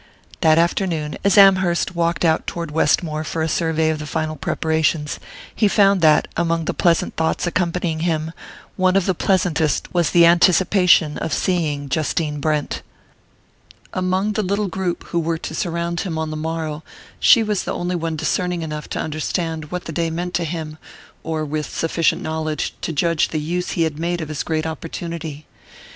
That afternoon, as Amherst walked out toward Westmore for a survey of the final preparations, he found that, among the pleasant thoughts accompanying him, one of the pleasantest was the anticipation of seeing Justine Brent. Among the little group who were to surround him on the morrow, she was the only one discerning enough to understand what the day meant to him, or with sufficient knowledge to judge of the use he had made of his great opportunity.